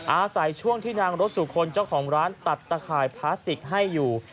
อาศัยช่วงที่นางรถสุคลเจ้าของร้านตัดตะข่ายพลาสติกให้อยู่